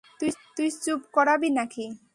তুই চুপ করাবি নাকি?